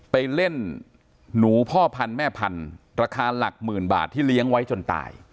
ไปเล่นหนูพ่อพันธุ์แม่พันธุ์ราคาหลักหมื่นบาทที่เลี้ยงไว้จนตาย